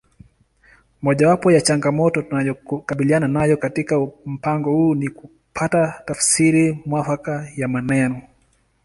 Mojawapo ya changamoto tunayokabiliana nayo katika mpango huu ni kupata tafsiri mwafaka ya maneno